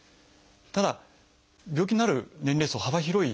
ただ病気になる年齢層幅広いです。